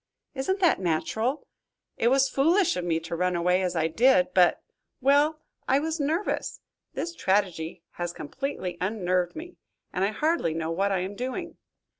Isn't that natural? It was foolish of me to run away as I did, but well, I was nervous. This tragedy has completely unnerved me, and I hardly know what I am doing."